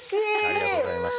ありがとうございます。